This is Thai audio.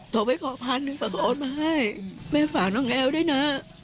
โทรไปก่อเงินได้ใช่ไหมแม่ฝากน้องแอ้วได้นะ